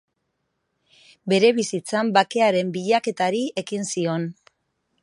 Bere bizitzan bakearen bilaketari ekin zion.